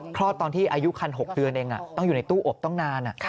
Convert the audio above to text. คลอดตอนที่อายุคัน๖เดือนเองต้องอยู่ในตู้อบต้องนาน